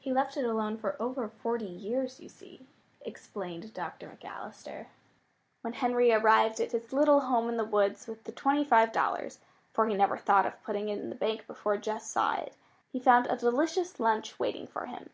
"He left it alone for over forty years, you see," explained Dr. McAllister. When Henry arrived at his little home in the woods with the twenty five dollars (for he never thought of putting it in the bank before Jess saw it), he found a delicious lunch waiting for him.